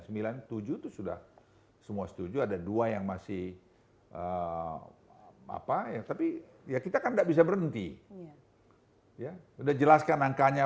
itu sudah semua setuju ada dua yang masih apa ya tapi ya kita kan enggak bisa berhenti ya sudah jelaskan angkanya